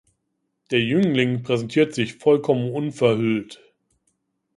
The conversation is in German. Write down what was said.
Der Jüngling präsentiert sich vollkommen unverhüllt.